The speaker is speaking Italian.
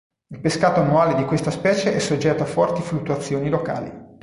Il pescato annuale di questa specie è soggetto a forti fluttuazioni locali.